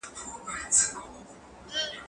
زه بايد چپنه پاک کړم!.